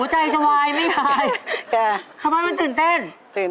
หัวใจร้ายไหมยาย